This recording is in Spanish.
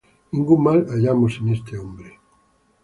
Ningún mal hallamos en este hombre;